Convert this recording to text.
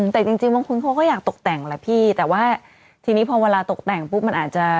แต่จริงบางคนเขาก็อยากตกแต่งแหละพี่แต่ว่าทีนี้พอเวลาตกแต่งปุ๊บมันอาจจะ